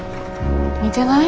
似てない？